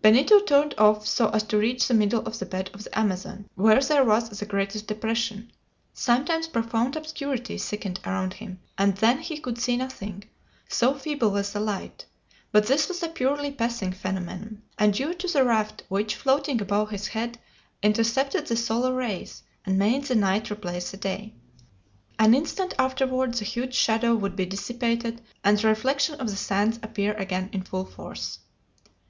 Benito turned off so as to reach the middle of the bed of the Amazon, where there was the greatest depression. Sometimes profound obscurity thickened around him, and then he could see nothing, so feeble was the light; but this was a purely passing phenomenon, and due to the raft, which, floating above his head, intercepted the solar rays and made the night replace the day. An instant afterward the huge shadow would be dissipated, and the reflection of the sands appear again in full force.